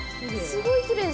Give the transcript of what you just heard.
すごいきれい！